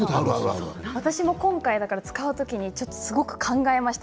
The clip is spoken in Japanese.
私も今回、使う時すごく考えました。